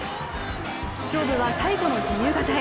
勝負は最後の自由形へ。